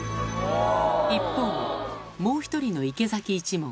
一方もう１人の池崎一門